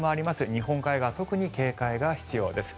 日本海側、特に警戒が必要です。